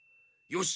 よし！